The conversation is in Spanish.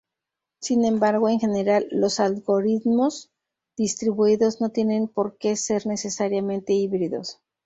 Sin embargo, en general los algoritmos distribuidos no tienen porque ser necesariamente híbridos.